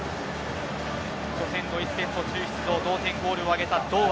初戦、ドイツ戦途中出場同点ゴールを挙げた堂安。